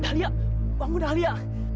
dahlia bangun dahlia